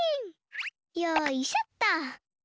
よいしょっと！